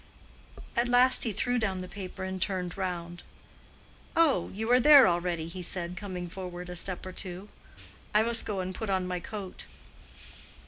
At last he threw down the paper and turned round. "Oh, you are there already," he said, coming forward a step or two: "I must go and put on my coat."